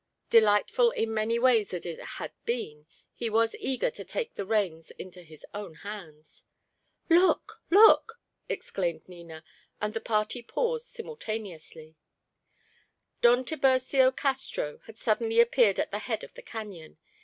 Delightful in many ways as it had been, he was eager to take the reins into his own hands. "Look! look!" exclaimed Nina, and the party paused simultaneously. Don Tiburcio Castro had suddenly appeared at the head of the cañon.